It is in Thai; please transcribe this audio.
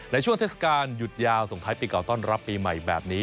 ในช่วงเทศกาลหยุดยาวสงคร์ไทยปีกล่าวต้อนรับปีใหม่แบบนี้